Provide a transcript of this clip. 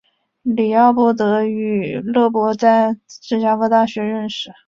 李奥波德与勒伯在芝加哥大学认识。